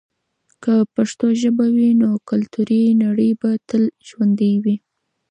که پښتو ژبه وي، نو کلتوري نړی به تل ژوندي وي.